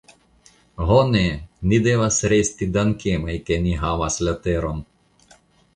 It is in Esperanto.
Ho ne, ni devas resti dankemaj ke ni havas la teron.